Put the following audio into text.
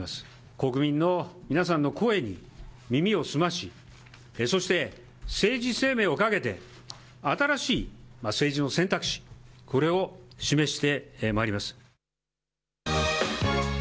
国民の皆さんの声に耳を澄まし、そして政治生命を懸けて、新しい政治の選択肢、これを示してまいります。